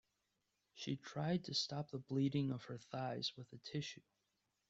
She tried to stop the bleeding of her thighs with a tissue.